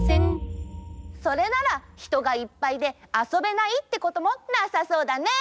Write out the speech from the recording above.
それならひとがいっぱいであそべないってこともなさそうだね！